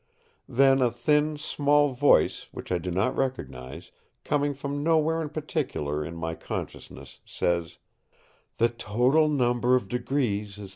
Then a thin small voice, which I do not recognize, coming from nowhere in particular in my consciousness, says: "The total number of degrees is 360.